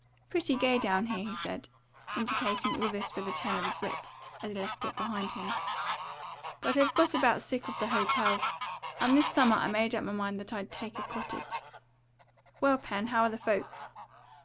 "Pretty gay down here," he said, indicating all this with a turn of his whip, as he left it behind him. "But I've got about sick of hotels; and this summer I made up my mind that I'd take a cottage. Well, Pen, how are the folks?"